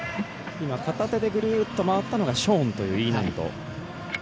片手でグルッと回ったのがショーンというＦ難度。